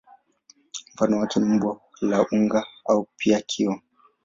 Mfano wake ni umbo la unga au pia kioo.